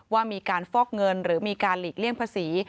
ว่ามีการฟอกเงินหรือมีการหลีกเลี่ยงภาษี